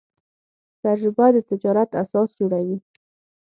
تجربه د تجارت اساس جوړوي.